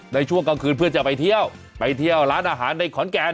ในช่วงกลางคืนเพื่อจะไปเที่ยวไปเที่ยวร้านอาหารในขอนแก่น